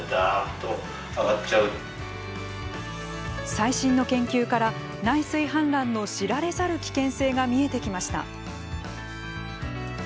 最新の研究から内水氾濫の知られざる危険性が見えてきました。